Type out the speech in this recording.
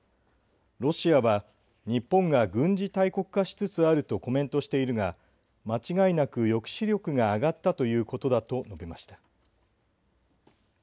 ロシアは日本が軍事大国化しつつあるとコメントしているが間違いなく抑止力が上がったということだと述べました。